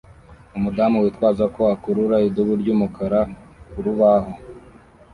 Umudamu witwaza ko akurura idubu ry'umukara ku rubaho